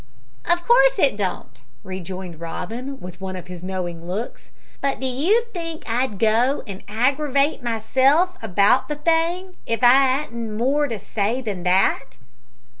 "Of course it don't," rejoined Robin, with one of his knowing looks; "but do you think I'd go an aggrawate myself about the thing if I 'adn't more to say than that?"